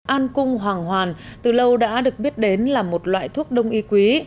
an cung hoàng hoàn từ lâu đã được biết đến là một loại thuốc đông y quý